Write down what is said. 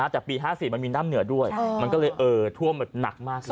แต่ปี๕๔มันมีน้ำเหนือด้วยมันก็เลยท่วมหนักมาก